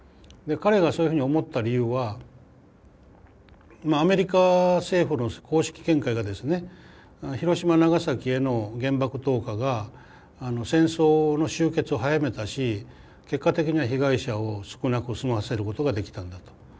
彼がそういうふうに思った理由はアメリカ政府の公式見解がですね広島・長崎への原爆投下が戦争の終結を早めたし結果的には被害者を少なく済ませることができたんだと。